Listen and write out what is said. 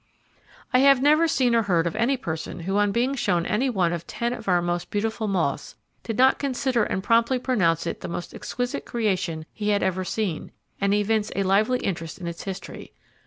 I never have seen or heard of any person who on being shown any one of ten of our most beautiful moths, did not consider and promptly pronounce it the most exquisite creation he ever had seen, and evince a lively interest in its history.